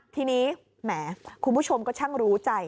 ทีนี้แหมคุณผู้ชมก็ช่างรู้ใจ